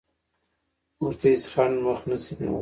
موږ ته هېڅ خنډ مخه نشي نیولی.